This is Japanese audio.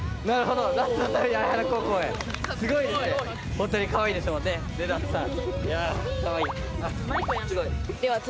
本当にかわいいですもんね、ナッツさん。